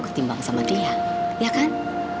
ketimbang sama dia ya kan